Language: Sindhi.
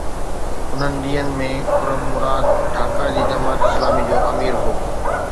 انهن ڏينهن ۾ خرم مراد ڍاڪا جي جماعت اسلامي جو امير هو.